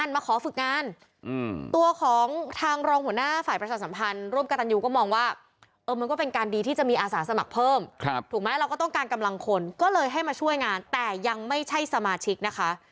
มาสมัครเพิ่มถูกไหมเราก็ต้องการกำลังคนก็เลยให้มาช่วยงานแต่ยังไม่ใช่สมาชิกนะคะ